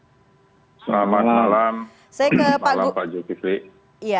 selamat malam pak zulkifli